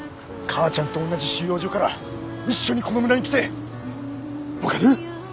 母ちゃんと同じ収容所から一緒にこの村に来て分かる？